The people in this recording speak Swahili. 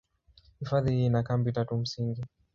Hifadhi hii ina kambi tatu msingi.